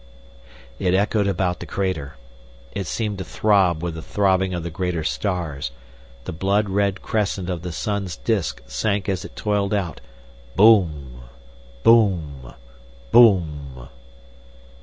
It echoed about the crater, it seemed to throb with the throbbing of the greater stars, the blood red crescent of the sun's disc sank as it tolled out: Boom!... Boom!... Boom!...